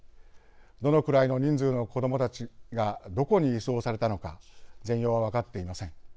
どのくらいの人数の子どもたちがどこに移送されたのか全容は分かっていません。